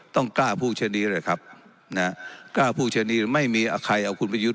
ต้องกล้าผู้ชนิดเลยครับนะฮะกล้าผู้ชนิดไม่มีใครเอาคุณไปยุด